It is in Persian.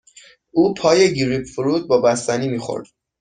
او پای گریپ فروت با بستنی می خورد.